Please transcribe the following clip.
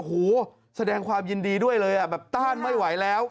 โอ้โหแสดงความยินดีด้วยเลยอ่ะแบบต้านไม่ไหวแล้ว